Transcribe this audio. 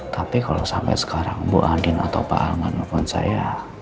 tapi kalau sampai sekarang bu adin atau pak ahmad nelfon saya